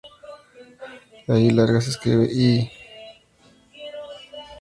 La "i" larga se escribe ""ii"".